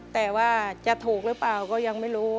แต่ว่าจะถูกหรือเปล่าก็ยังไม่รู้